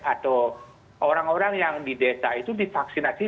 atau orang orang yang di desa itu divaksinasi